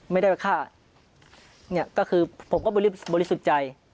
ไม่ได้มาฆ่าเนี่ยก็คือผมก็บริสุทธิ์ใจ